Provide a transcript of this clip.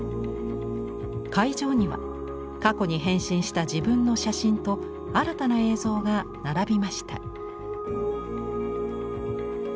会場には過去に変身した自分の写真と新たな映像が並びました。